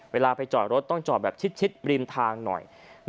เวลาไปจอดรถต้องจอดแบบชิดริมทางหน่อย